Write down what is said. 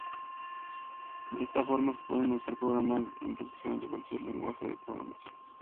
De esta forma, se pueden usar programas en prácticamente cualquier lenguaje de programación.